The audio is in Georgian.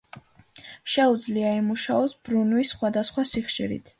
შეუძლია იმუშაოს ბრუნვის სხვადასხვა სიხშირით.